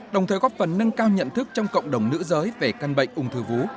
đồng thời góp phần nâng cao nhận thức trong cộng đồng nữ giới về căn bệnh ung thư vú